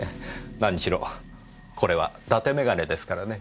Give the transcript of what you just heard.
何しろこれは伊達眼鏡ですからね。